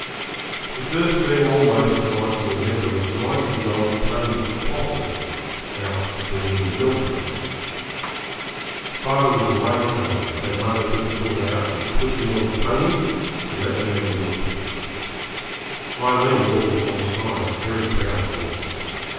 The first thing almost that I can remember was riding the old pony, 'Possum, out to bring in the milkers. Father was away somewhere, so mother took us all out and put me on the pony, and let me have a whip. Aileen walked alongside, and very proud I was.